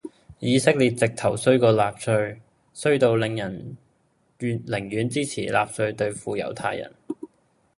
以色列直頭衰過納粹,衰到令人寧願支持納粹對付猶太人。